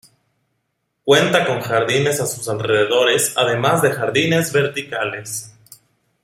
Cuenta con jardines a sus alrededores además de jardines verticales.